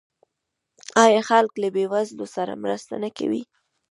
آیا خلک له بې وزلو سره مرسته نه کوي؟